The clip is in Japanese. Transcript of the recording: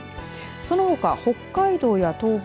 そのほか、北海道や東北